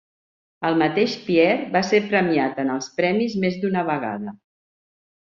El mateix Pierre va ser premiat en els premis més d'una vegada.